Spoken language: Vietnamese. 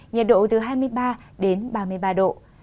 nhiệt độ từ hai mươi ba đến ba mươi ba độ